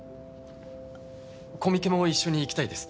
コミケも一緒に行きたいです。